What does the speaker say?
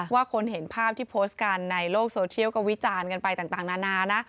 คนเห็นภาพที่โพสต์กันในโลกโซเชียลก็วิจารณ์กันไปต่างนานานะ